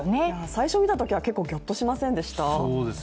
最初見たときは、結構ギョッとしませんでした？